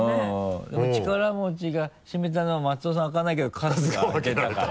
でも力持ちが閉めたのは松尾さん開かないけど春日は開けたから。